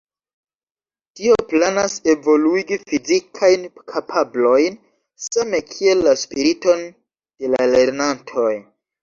Tio planas evoluigi fizikajn kapablojn same kiel la spiriton de la lernantoj.